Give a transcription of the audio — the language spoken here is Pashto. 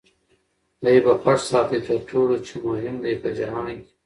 دی به خوښ ساتې تر ټولو چي مهم دی په جهان کي